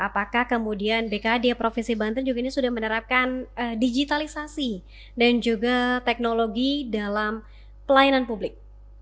apakah kemudian bkd provinsi banten juga ini sudah menerapkan digitalisasi dan juga teknologi dalam pelayanan publik